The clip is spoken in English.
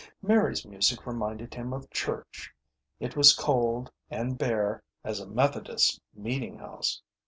Mary's music reminded him of church. It was cold and bare as a Methodist meeting house.